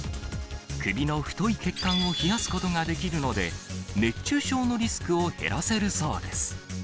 首の太い血管を冷やすことができるので、熱中症のリスクを減らせるそうです。